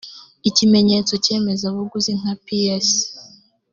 ikimenyetso nyemezabuguzi nka ps